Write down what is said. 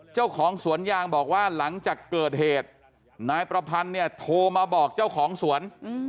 เจ้าของสวนยางบอกว่าหลังจากเกิดเหตุนายประพันธ์เนี่ยโทรมาบอกเจ้าของสวน